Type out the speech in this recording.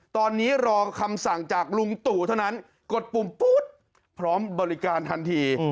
ตอนนี้รอคำสั่งจากลุงตู่เท่านั้นกดปุ่มปุ๊บพร้อมบริการทันที